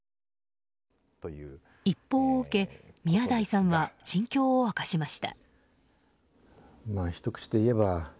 一報を受け、宮台さんは心境を明かしました。